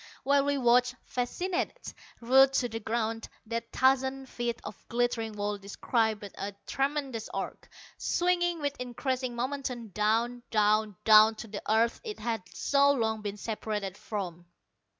While we watched, fascinated, rooted to the ground, that thousand feet of glittering wall described a tremendous arc, swinging with increasing momentum down, down, down to the earth it had so long been separated from.